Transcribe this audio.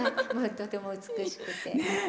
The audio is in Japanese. とても美しくて。